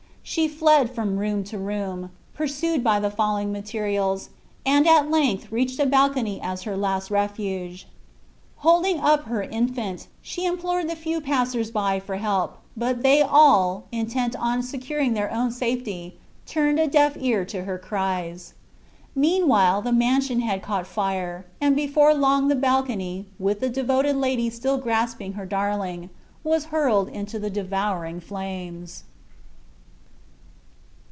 She fled from room to room, pursued by the falling materials, and at length reached a balcony as her last refuge. Holding up her infant, she implored the few passers by for help; but they all, intent on securing their own safety, turned a deaf ear to her cries. Meanwhile the mansion had caught fire, and before long the balcony, with the devoted lady still grasping her darling, was hurled into the devouring flames.